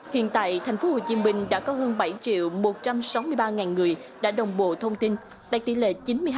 hiện tại thành phố hồ chí minh đã có hơn bảy triệu một trăm sáu mươi ba ngàn người đã đồng bộ thông tin đạt tỷ lệ chín mươi hai